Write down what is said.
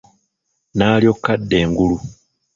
Naalyoka adda engulu!